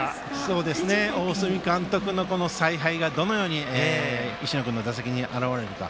大角監督の采配がどのように石野君の打席に表れるか。